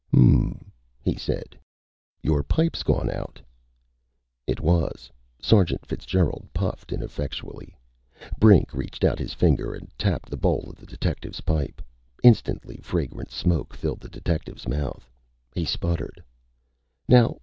"Hm m m," he said. "Your pipe's gone out." It was. Sergeant Fitzgerald puffed ineffectually. Brink reached out his finger and tapped the bowl of the detective's pipe. Instantly fragrant smoke filled the detective's mouth. He sputtered. "Now....